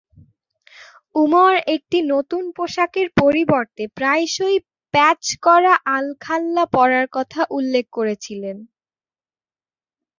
উমর একটি নতুন পোশাকের পরিবর্তে প্রায়শই প্যাচ করা আলখাল্লা পরার কথা উল্লেখ করেছিলেন।